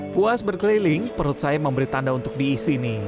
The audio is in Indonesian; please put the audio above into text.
puas berkeliling perut saya memberi tanda untuk diisi nih